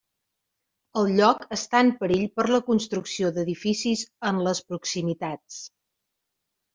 El lloc està en perill per la construcció d'edificis en les proximitats.